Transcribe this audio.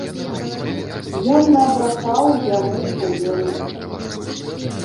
Ён набрахаў, яму паверылі.